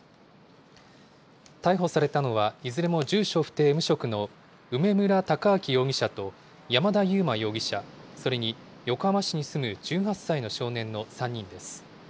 逮捕されたのは、いずれも住所不定無職の梅村太章容疑者と山田佑真容疑者、それに横浜市に住む１８歳の少年の３人です。